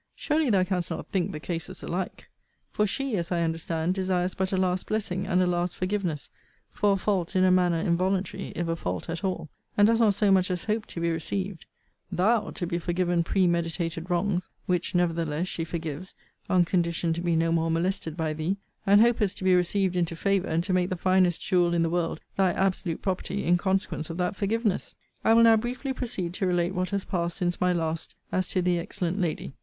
Surely thou canst not think the cases alike for she, as I understand, desires but a last blessing, and a last forgiveness, for a fault in a manner involuntary, if a fault at all; and does not so much as hope to be received; thou, to be forgiven premeditated wrongs, (which, nevertheless, she forgives, on condition to be no more molested by thee;) and hopest to be received into favour, and to make the finest jewel in the world thy absolute property in consequence of that forgiveness. I will now briefly proceed to relate what has passed since my last, as to the excellent lady.